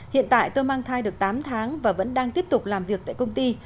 hiện tại tôi mang thai được tám tháng và vẫn đang tiếp tục làm việc tại công ty